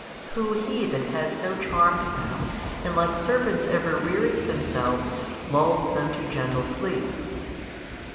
who He that has so charmed them and like serpents ever rearing themselves lulls them to gentle sleep?